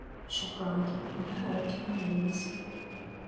she cried, in hurt amaze.